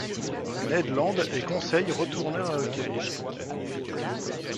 Ned Land et Conseil retournèrent à leur cabine.